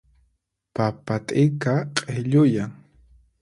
Papa t'ika q'illuyan.